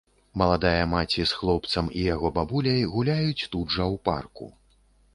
Маладая маці з хлопцам і яго бабуляй гуляюць тут жа ў парку.